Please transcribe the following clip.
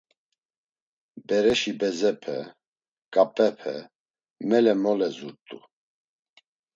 Bereşi bezepe, ǩap̌epe mele mole zurt̆u.